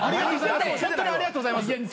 ホントにありがとうございます。